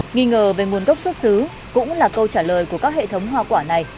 nghi ngờ về nguồn gốc xuất xứ cũng là câu trả lời của các hệ thống hoa quả này